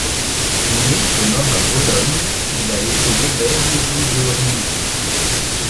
Né et mort à Bologne, il a été l'élève de Guido Reni.